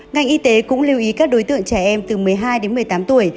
ngành y tế cũng lưu ý các đối tượng trẻ em từ một mươi hai đến một mươi tám tuổi